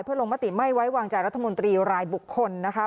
เพื่อลงมติไม่ไว้วางใจรัฐมนตรีรายบุคคลนะคะ